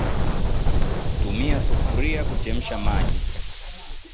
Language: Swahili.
Tumia sufuria kuchemsha maji